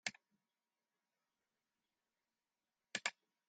Belje Wytse.